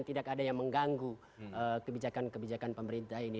tidak ada yang mengganggu kebijakan kebijakan pemerintah ini